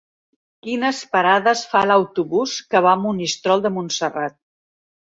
Quines parades fa l'autobús que va a Monistrol de Montserrat?